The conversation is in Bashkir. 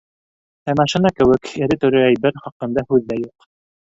Ә машина кеүек эре-төрө әйбер хаҡында һүҙ ҙә юҡ.